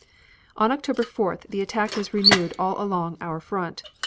On October 4th the attack was renewed all along our front.